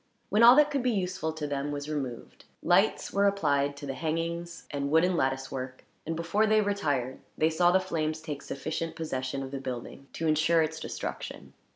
When all that could be useful to them was removed, lights were applied to the hangings and wooden lattice work; and, before they retired, they saw the flames take sufficient possession of the building to ensure its destruction.